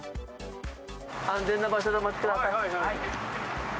安全な場所でお待ちください。